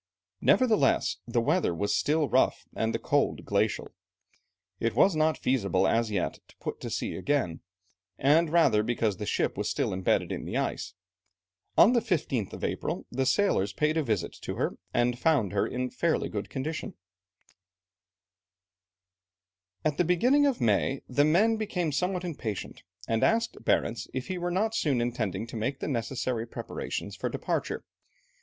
Nevertheless, the weather was still rough and the cold glacial. It was not feasible as yet to put to sea again, the rather because the ship was still embedded in the ice. On the 15th of April, the sailors paid a visit to her and found her in fairly good condition. [Illustration: Exterior view of the house. From an old print.] At the beginning of May the men became somewhat impatient, and asked Barentz if he were not soon intending to make the necessary preparations for departure.